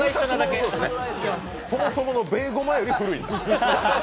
そもそものベイゴマより古いんだ。